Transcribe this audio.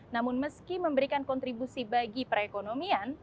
namun meski memberikan kontribusi bagi perekonomian